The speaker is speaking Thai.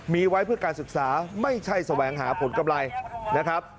มีไว้เพื่อการศึกษาไม่ใช่แสวงหาผลกำไรนะครับ